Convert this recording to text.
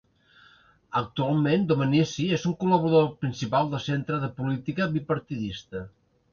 Actualment Domenici és un col·laborador principal del Centre de Política Bipartidista.